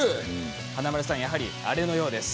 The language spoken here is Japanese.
華丸さんやはりあれのようです